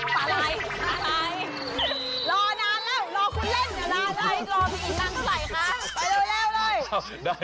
รอนานแล้วรอคุณเล่นเดี๋ยวรออะไร